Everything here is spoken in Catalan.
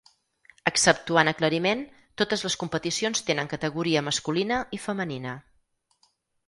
Exceptuant aclariment, totes les competicions tenen categoria masculina i femenina.